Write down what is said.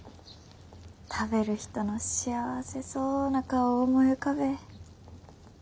食べる人の幸せそうな顔を思い浮かべえ。